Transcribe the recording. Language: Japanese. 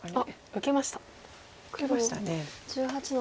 受けましたね。